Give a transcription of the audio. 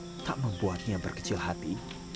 tangan dan kaki tak membuatnya berkecil hati